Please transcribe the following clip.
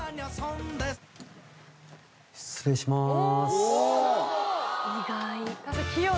失礼します。